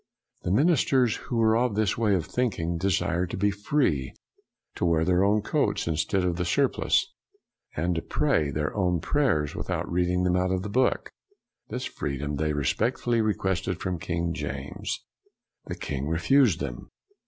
The ministers who were of this way of thinking desired to be free to wear their own coats instead of the surplice, and to pray their own prayers without reading them out of the book. This freedom they respectfully requested from King James. The king refused them.